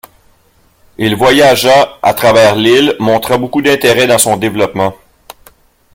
Il voyagea à travers l'île, montra beaucoup d'intérêt dans son développement.